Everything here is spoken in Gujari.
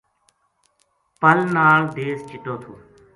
پل نال دیس چِٹو تھو